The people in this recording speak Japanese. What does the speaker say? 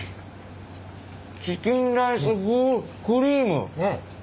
チキンライス風クリーム。